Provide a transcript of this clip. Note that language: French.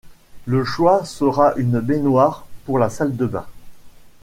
le choix sera une baignoire pour la salle de bain